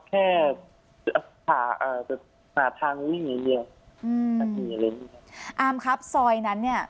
แค่หาหาทางวิ่งอย่างเยี่ยมอืมอาร์มครับซอยนั้นเนี้ย